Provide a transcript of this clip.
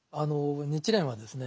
日蓮はですね